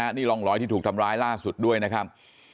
ไหนลองลอยที่ถูกทำลายล่าสุดด้วยนะครับ